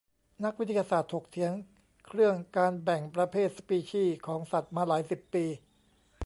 นักวิทยาศาสตร์ถกเถียงเครื่องการแบ่งประเภทสปีชีส์ของสัตว์มาหลายสิบปี